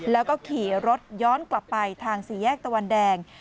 แล้วก็ขี่รถย้อนกลับไปทางสี่แยกตะวันแดง